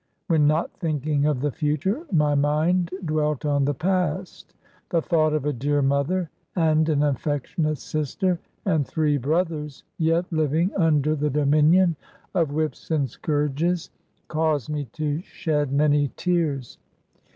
When not thinking of the future, my mind dwelt on the past. The thought of a dear mother, and an affectionate sister and three brothers, yet living under the dominion of whips and scourges, caused me to shed many tears.